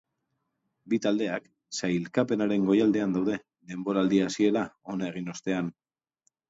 Bi taldeak sailkapenaren goialdean daude, denboraldi hasiera ona egin ostean.